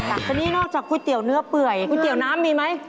แต่นี่นอกจากก๋วยเตี๋ยวเนื้อเปื่อยก๋วยเตี๋ยวน้ำมีไหม